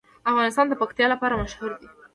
افغانستان د پکتیکا لپاره مشهور دی.